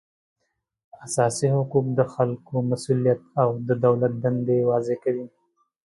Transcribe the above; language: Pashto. اساسي حقوق د خلکو مسولیت او د دولت دندې واضح کوي